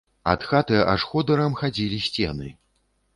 Ад хаты аж ходырам хадзілі сцены.